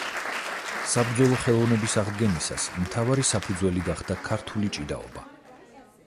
საბრძოლო ხელოვნების აღდგენისას, მთავარი საფუძველი გახდა ქართული ჭიდაობა.